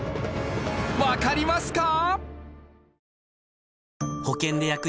わかりますか？